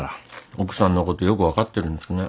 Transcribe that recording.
奥さんのことよく分かってるんですね。